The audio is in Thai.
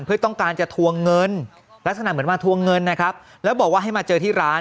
เพื่อต้องการจะทวงเงินลักษณะเหมือนมาทวงเงินนะครับแล้วบอกว่าให้มาเจอที่ร้าน